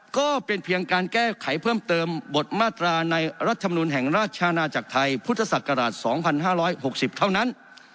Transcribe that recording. ก็เป็นเพียงการแก้ไขเพิ่มเติมบทมาตราในรัฐธรรมนุนแห่งราชอาณาจักรไทยพุทธศักราช๒๕๖๐เท่านั้น